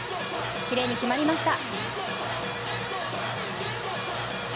きれいに決まりました。